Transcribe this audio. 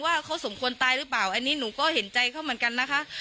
ว่าเขาสมควรตายหรือเปล่าอันนี้หนูก็เห็นใจเขาเหมือนกันนะคะ